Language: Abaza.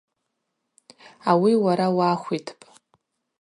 Ауи уара йахвитпӏ.